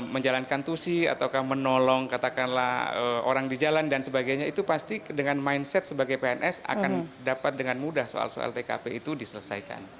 menjalankan tusi ataukah menolong katakanlah orang di jalan dan sebagainya itu pasti dengan mindset sebagai pns akan dapat dengan mudah soal soal tkp itu diselesaikan